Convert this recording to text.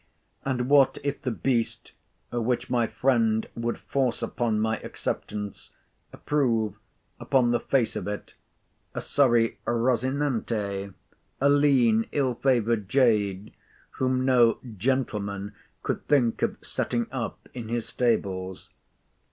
And what if the beast, which my friend would force upon my acceptance, prove, upon the face of it, a sorry Rozinante, a lean, ill favoured jade, whom no gentleman could think of setting up in his stables?